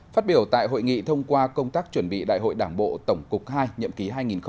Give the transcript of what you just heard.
phát biểu tại hội nghị thông qua công tác chuẩn bị đại hội đảng bộ tổng cục ii nhậm ký hai nghìn hai mươi hai nghìn hai mươi năm